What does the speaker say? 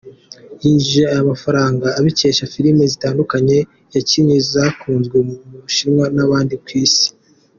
Yinjije ayo mafaranga abikesha filime zitandukanye yakinnye zakunzwe mu Bushinwa n’ahandi ku isi.